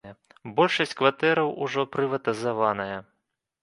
Большасць кватэраў ужо прыватызаваная.